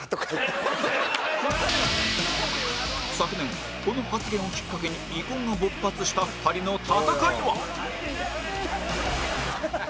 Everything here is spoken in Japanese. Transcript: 昨年この発言をきっかけに遺恨が勃発した２人の戦いは？